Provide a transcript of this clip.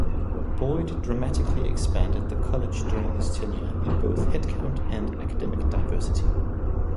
Boyd dramatically expanded the college during his tenure in both headcount and academic diversity.